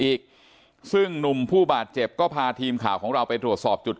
อีกซึ่งหนุ่มผู้บาดเจ็บก็พาทีมข่าวของเราไปตรวจสอบจุด